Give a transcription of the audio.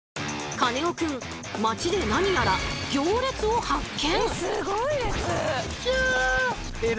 カネオくん街で何やら行列を発見！